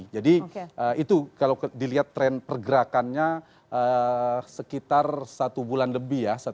jadi itu kalau dilihat tren pergerakannya sekitar satu bulan lebih ya